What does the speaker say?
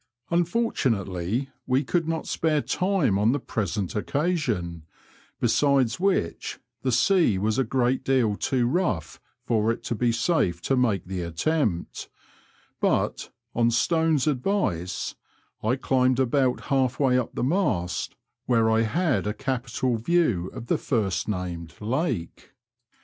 Unfortunately we could not spare time on the present occasion ; besides which, the sea was a great deal too rough for it to be safe to make the attempt ; but, on Stone's advice, I climbed about half way up the mast, where I had a capital view of the first named lake.